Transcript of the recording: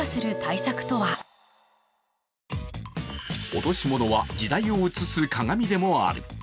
落とし物は時代を映す鏡でもある。